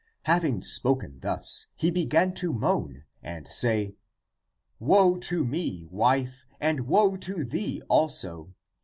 Having spoken thus, he began to moan and say, " Woe to me, wife, and woe to thee also!